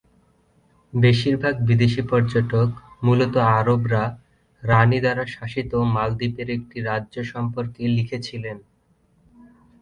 বেশিরভাগ বিদেশী পর্যটক, মূলত আরবরা, রাণী দ্বারা শাসিত মালদ্বীপের একটি রাজ্য সম্পর্কে লিখেছিলেন।